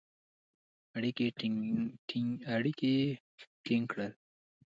اړیکي یې ټینګ کړل.